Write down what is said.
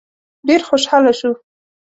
ډېر خوشاله شو.